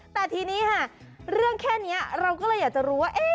แต่ทีนี้ค่ะเรื่องแค่นี้เราก็เลยอยากจะรู้ว่า